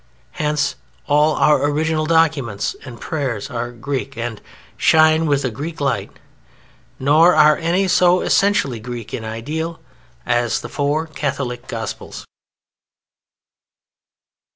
Hence all our original documents and prayers are Greek and shine with a Greek light: nor are any so essentially Greek in idea as the four Catholic Gospels.